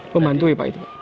pembantu ya pak itu